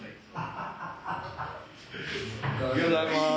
おはようございます。